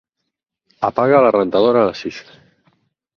Apaga la rentadora a les sis.